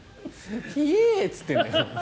ひえー！って言ってるんだよね。